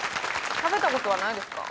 食べたことはないですか？